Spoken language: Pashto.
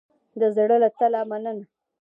د زړه له تله مننه